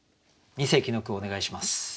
二席の句お願いします。